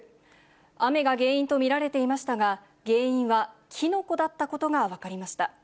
雨が原因と見られていましたが、原因はキノコだったことが分かりました。